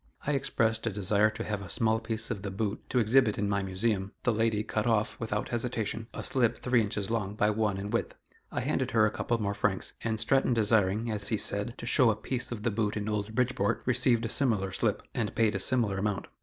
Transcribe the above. I expressed a desire to have a small piece of the boot to exhibit in my Museum; the lady cut off, without hesitation, a slip three inches long by one in width. I handed her a couple more francs, and Stratton desiring, as he said, to "show a piece of the boot in old Bridgeport," received a similar slip, and paid a similar amount.